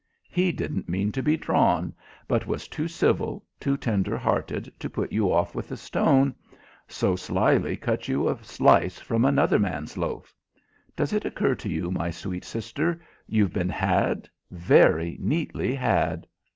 He didn't mean to be drawn; but was too civil, too tender hearted to put you off with a stone, so slyly cut you a slice from another man's loaf. Does it occur to you, my sweet sister, you've been had very neatly had?"